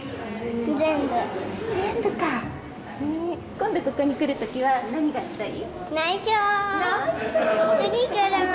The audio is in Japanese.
今度ここに来る時は何がしたい？